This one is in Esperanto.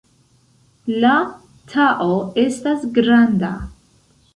La Tao estas granda.